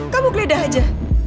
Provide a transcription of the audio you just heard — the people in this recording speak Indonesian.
kamu geledah aja